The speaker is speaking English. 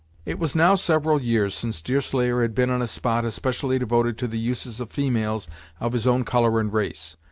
It was now several years since Deerslayer had been in a spot especially devoted to the uses of females of his own color and race.